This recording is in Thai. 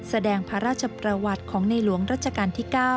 แสดงพระราชประวัติของในหลวงรัชกาลที่๙